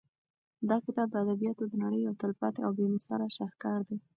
دا کتاب د ادبیاتو د نړۍ یو تلپاتې او بې مثاله شاهکار دی.